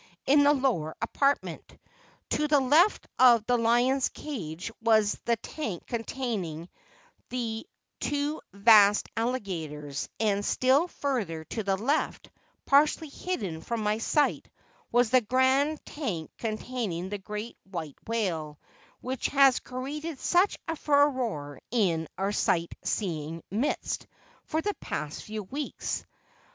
in the lower apartment. To the left of the lion's cage was the tank containing the two vast alligators, and still further to the left, partially hidden from my sight was the grand tank containing the great white whale, which has created such a furore in our sight seeing midst for the past few weeks.